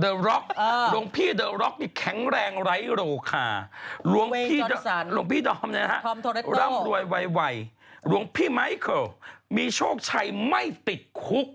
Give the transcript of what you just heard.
หลวงพี่ดอมนะฮะร่ำรวยไวหลวงพี่ไมเคิลมีโชคชัยไม่ติดคุก